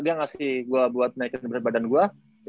dia ngasih gue buat naikin berat badan gua